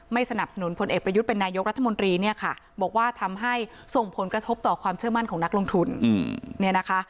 ไม่สนับสนุนพลเอ็ดประยุทธเป็นนายยกรัฐมนตรีบอกว่าทำให้ส่งผลกระทบต่อความเชื่อมั่นของนักลงทุน